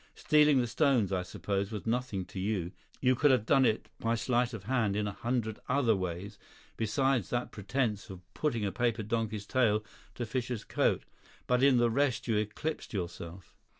Stealing the stones, I suppose, was nothing to you. You could have done it by sleight of hand in a hundred other ways besides that pretence of putting a paper donkey's tail to Fischer's coat. But in the rest you eclipsed yourself."